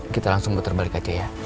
kita langsung putar balik aja ya